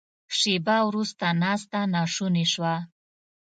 شیبه وروسته ناسته ناشونې شوه.